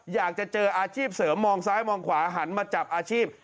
อยากจะเจออาชีพเสริมมองซ้ายมองขวาหันมาจับอาชีพ